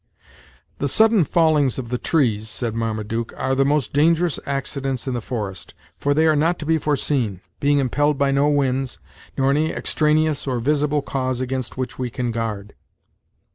"The sudden fallings of the trees," said Marmaduke, "are the most dangerous accidents in the forest, for they are not to be foreseen, being impelled by no winds, nor any extraneous or visible cause against which we can guard."